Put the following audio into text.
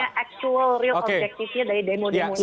sebenarnya actual real objektifnya dari demo demo ini